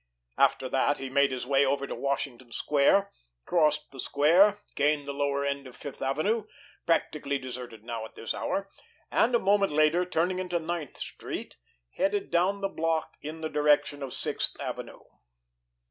After that, he made his way over to Washington Square, crossed the Square, gained the lower end of Fifth Avenue, practically deserted now at this hour, and, a moment later, turning into Ninth Street, headed down the block in the direction of Sixth Avenue.